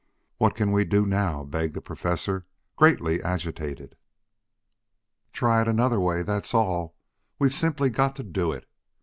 "What can we do now?" begged the Professor, greatly agitated. "Try it another way, that's all. We've simply got to do it.